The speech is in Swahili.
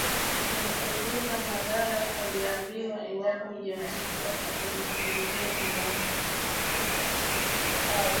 Alikumbuka madhara aliyoambiwa iwapo mjamzito atajifungulia nyumbani